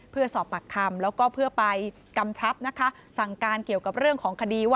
เพื่อสอบปากคำแล้วก็เพื่อไปกำชับนะคะสั่งการเกี่ยวกับเรื่องของคดีว่า